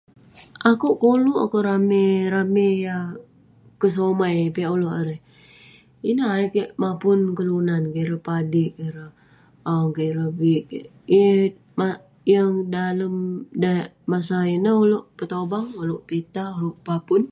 Akouk koluk akouk ramey, ramey yah kesomai piak ulouk erei..ineh ayuk keik mapun kelunan kik, ireh padik kik, ireh aung keik, ireh viik keik..yeng dalem masa ineh ulouk petobang, ulouk pepitah, ulouk pepapun..